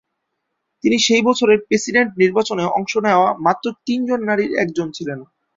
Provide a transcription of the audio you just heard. তিনি সেই বছরের প্রেসিডেন্ট নির্বাচনে অংশ নেওয়া মাত্র তিনজন নারীর একজন ছিলেন।